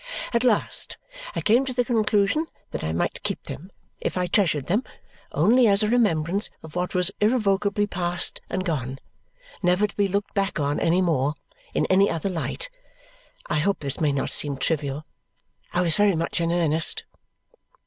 At last I came to the conclusion that I might keep them if I treasured them only as a remembrance of what was irrevocably past and gone, never to be looked back on any more, in any other light. I hope this may not seem trivial. I was very much in earnest.